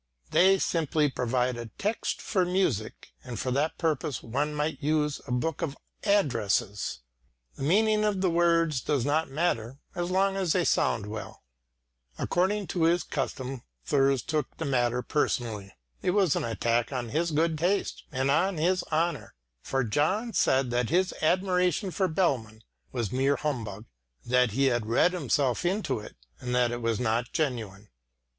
They simply provide a text for music, and for that purpose one might use a book of addresses. The meaning of the words does not matter, as long as they sound well. According to his custom Thurs took the matter personally. It was an attack on his good taste and on his honour, for John said that his admiration of Bellmann was mere humbug; that he had read himself into it, and that it was not genuine.